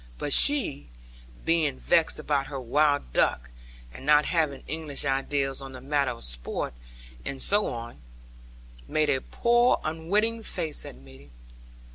But she (being vexed about her wild duck, and not having English ideas on the matter of sport, and so on) made a poor unwitting face at me.